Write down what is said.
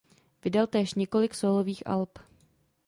Vydal též několik sólových alb.